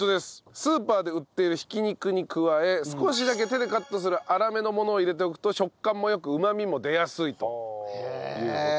スーパーで売っている挽き肉に加え少しだけ手でカットする粗めのものを入れておくと食感も良くうまみも出やすいという事ですね。